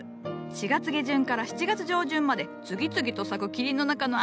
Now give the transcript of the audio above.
４月下旬から７月上旬まで次々と咲く霧の中の愛。